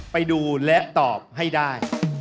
ไปดูและตอบให้ได้